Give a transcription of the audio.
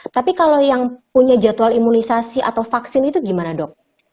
tapi kalau yang punya jadwal imunisasi atau vaksin itu gimana dok